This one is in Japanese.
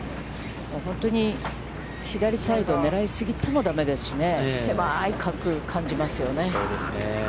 本当に左サイドを狙いすぎてもだめですしね、狭く感じますよね。